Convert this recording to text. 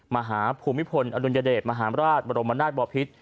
มหาภูมิพลอดุลยเดชมหามราชบรมนาศบอพิษ